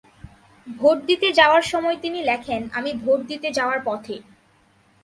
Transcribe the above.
Vote দিতে যাওয়ার সময় তিনি লেখেন, আমি ভোট দিতে যাওয়ার পথে।